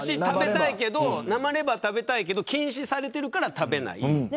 レバ刺しは食べたいけど禁止されているから食べない。